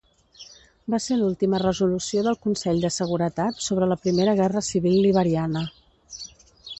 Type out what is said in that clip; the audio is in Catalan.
Va ser l'última resolució del Consell de Seguretat sobre la Primera Guerra Civil liberiana.